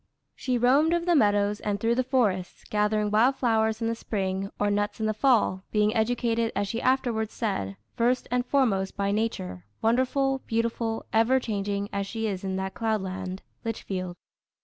She roamed over the meadows, and through the forests, gathering wild flowers in the spring or nuts in the fall, being educated, as she afterwards said, "first and foremost by Nature, wonderful, beautiful, ever changing as she is in that cloudland, Litchfield.